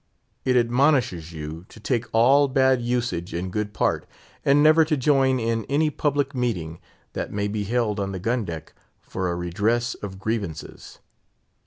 It admonishes you to take all bad usage in good part, and never to join in any public meeting that may be held on the gun deck for a redress of grievances.